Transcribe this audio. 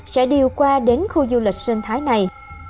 sẽ điều qua đến khu du lịch sinh thái này